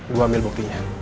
gue ambil buktinya